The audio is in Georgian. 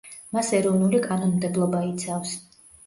მას ეროვნული კანონმდებლობა იცავს.